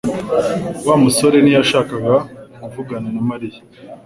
Wa musore ntiyashakaga kuvugana na Mariya